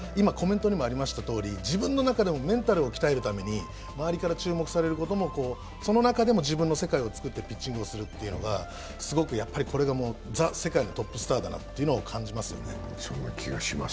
ただ自分の中でもメンタルを鍛えるために周りから注目されることもその中でも自分の世界をつくってピッチングをするというのがすごくこれがザ・世界のトップスターだなと感じますね。